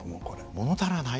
もの足らない？